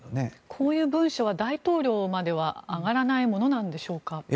こういう文書は大統領まで上がらないものなんでしょうか？